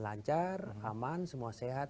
lancar aman semua sehat